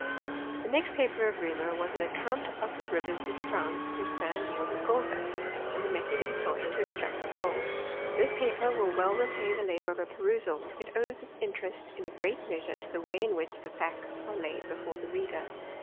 The next paper of Reaumur was an account of the rivers in France whose sand yielded gold dust, and the method employed to extract the gold. This paper will well repay the labour of a perusal ; it owes its interest in a great measure to the way in which the facts arc laid before the reader.